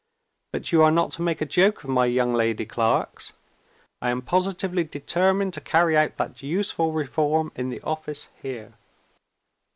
But you are not to make a joke of my young lady clerks. I am positively determined to carry out that useful reform in the office here.